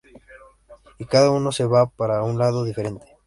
Y cada uno se va para un lado diferente.